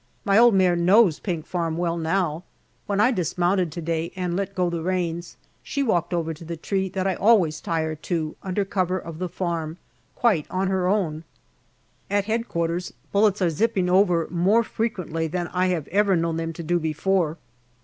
My old mare knows Pink Farm JUNE 125 well now. When I dismounted to day and let go the reins, she walked over to the tree that I always tie her to, under cover of the farm, quite on her own. At H.O. bullets are zipping over more frequently than I have ever known them to do before.